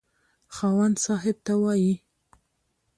خاوند صاحب ته وايي.